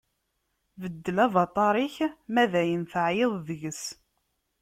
Beddel avaṭar-ik ma dayen teɛyiḍ deg-s.